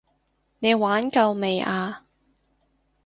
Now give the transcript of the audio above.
你玩夠未啊？